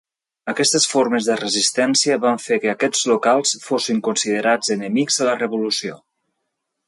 Aquestes formes de resistència van fer que aquests locals fossin considerats enemics de la Revolució.